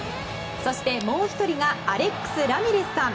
そして、もう１人がアレックス・ラミレスさん。